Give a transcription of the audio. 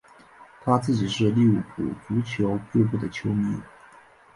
他自己是利物浦足球俱乐部的球迷。